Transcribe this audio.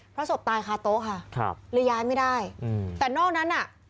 เพราะศพตายคาโต๊ะค่ะครับเลยย้ายไม่ได้อืมแต่นอกนั้นอ่ะ